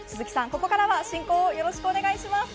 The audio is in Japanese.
ここからは進行をよろしくお願いします。